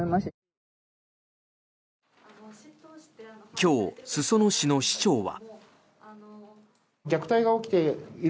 今日、裾野市の市長は。